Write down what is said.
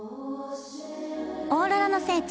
オーロラの聖地